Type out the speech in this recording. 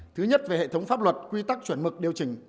thứ nhất về hệ thống pháp luật quy tắc chuẩn mực điều chỉnh